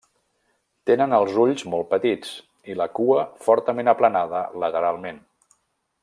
Tenen els ulls molt petits i la cua fortament aplanada lateralment.